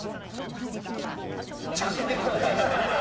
着陸の時。